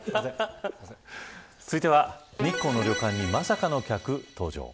続いては、日光の旅館にまさかの客登場。